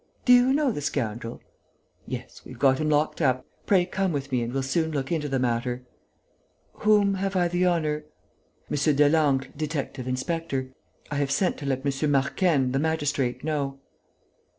Do you know the scoundrel?" "Yes, we've got him locked up. Pray come with me and we'll soon look into the matter." "Whom have I the honour ...?" "M. Delangle, detective inspector. I have sent to let M. Marquenne, the magistrate, know."